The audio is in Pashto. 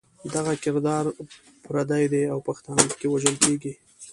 دغه کردار پردی دی او پښتانه پکې وژل کېږي.